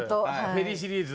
フェリーシリーズ。